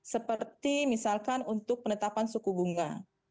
seperti misalkan untuk penetapan suku bunga